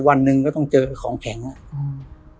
วันหนึ่งก็ต้องเจอของแข็งอ่ะอืม